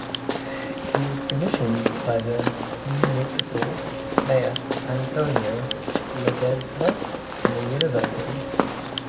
He was commissioned by the municipal mayor Antonio Ledezma and the university.